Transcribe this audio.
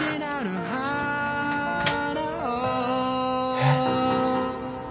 えっ？